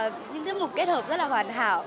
những tiết mục kết hợp rất là hoàn hảo